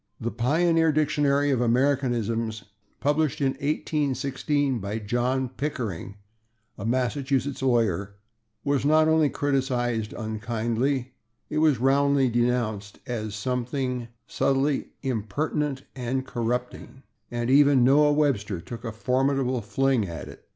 The pioneer dictionary of Americanisms, published in 1816 by John Pickering, a Massachusetts lawyer, was not only criticized unkindly; it was roundly denounced as something subtly impertinent and corrupting, and even Noah Webster took a formidable fling at it.